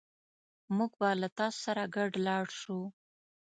موږ به له تاسو سره ګډ لاړ شو